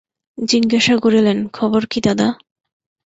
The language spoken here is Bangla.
জিজ্ঞাসা করিলেন, খবর কী দাদা?